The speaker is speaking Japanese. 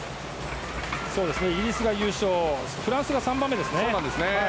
イギリスが優勝してフランスが３番目でした。